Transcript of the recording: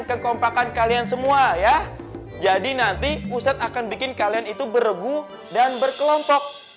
kekompakan kalian semua ya jadi nanti pusat akan bikin kalian itu beregu dan berkelompok